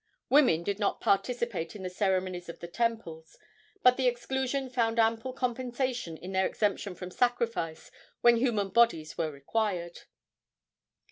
Women did not participate in the ceremonies of the temples, but the exclusion found ample compensation in their exemption from sacrifice when human bodies were required.